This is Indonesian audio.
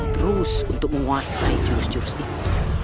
terus untuk menguasai jurus jurus itu